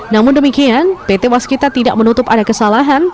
namun demikian pt waskita tidak menutup ada kesalahan